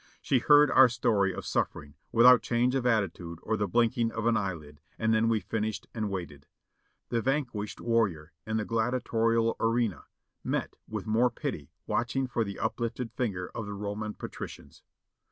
She heard our story of suffering, without change of attitude or the blinking of an eyelid, and then we finished and waited. The van quished warrior in the gladiatorial arena met with more pity watching for the uplifted finger of the Roman patricians.